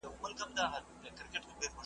نه په پښو کي یې لرل کاږه نوکونه .